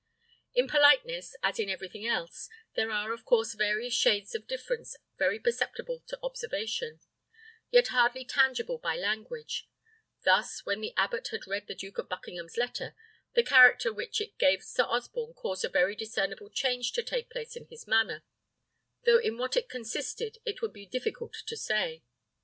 In politeness, as in everything else, there are of course various shades of difference very perceptible to observation, yet hardly tangible by language: thus, when the abbot had read the Duke of Buckingham's letter, the character which it gave of Sir Osborne caused a very discernible change to take place in his manner, though in what it consisted it would be difficult to say.